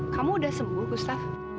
kamu udah sembuh gustaf